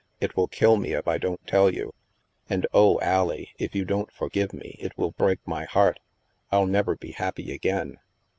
" It will kill me if I don't tell you. And, oh, Allie, if you don't for give me, it will break my heart. Til never be happy again."